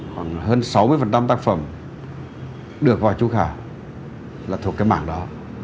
khoảng hơn sáu mươi tác phẩm được vào trung khảo là thuộc cái mảng đó